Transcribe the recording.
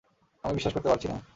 আমি বিশ্বাস করতে পারছি না?